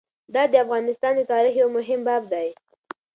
دا د افغانستان د تاریخ یو مهم باب دی.